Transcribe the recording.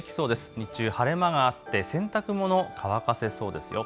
日中晴れ間があって洗濯物、乾かせそうですよ。